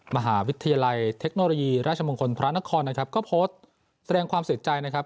มหาวิทยาลัยเทคโนโลยีราชมงคลพระนครนะครับก็โพสต์แสดงความเสียใจนะครับ